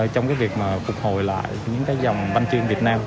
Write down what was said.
trong cái việc mà phục hồi lại những cái dòng banh chương việt nam